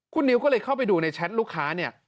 คุณนิวก็เลยเข้าไปดูในแชทลูกค้าเนี่ย